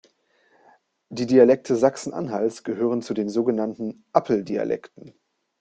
Die Dialekte Sachsen-Anhalts gehören zu den sogenannten „Appel-Dialekten“.